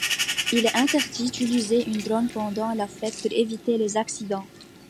Il est interdit d'utiliser un drone pendant la fête pour éviter les accidents.